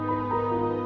oh siapa ini